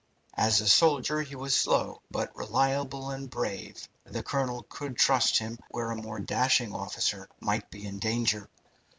As a soldier he was slow, but reliable and brave. The colonel could trust him where a more dashing officer might be in danger.